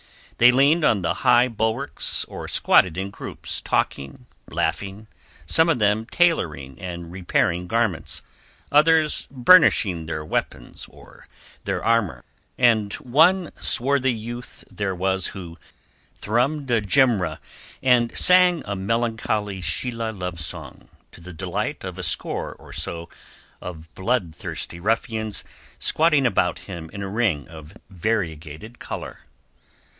They leaned on the high bulwarks or squatted in groups, talking, laughing, some of them tailoring and repairing garments, others burnishing their weapons or their armour, and one swarthy youth there was who thrummed a gimri and sang a melancholy Shilha love song to the delight of a score or so of bloodthirsty ruffians squatting about him in a ring of variegated colour.